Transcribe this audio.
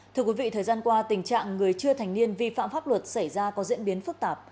thưa quý vị thời gian qua tình trạng người chưa thành niên vi phạm pháp luật xảy ra có diễn biến phức tạp